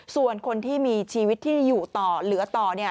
ส่วนคนที่มีชีวิตที่อยู่ต่อเหลือต่อเนี่ย